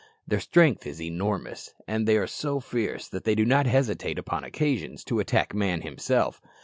Their strength is enormous, and they are so fierce that they do not hesitate, upon occasions, to attack man himself.